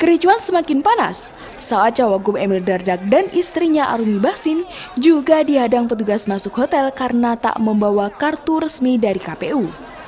kericuhan semakin panas saat cowok gop emil dardak dan istrinya aruni bahsin juga dihadang petugas masuk hotel karena tak membawa kartu resmi dari kpu